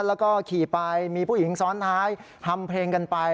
แล้วก็ขี่ไปมีผู้หญิงซ้อนท้ายทำเพลงกันไป